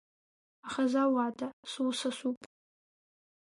Ахаза, уата, сусасуп!